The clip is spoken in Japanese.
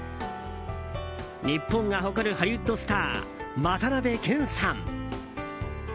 日本が誇るハリウッドスター渡辺謙さん。